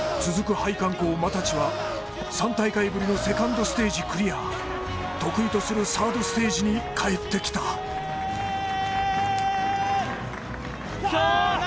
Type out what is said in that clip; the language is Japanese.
配管工・又地は３大会ぶりのセカンドステージクリア得意とするサードステージに帰ってきたきた！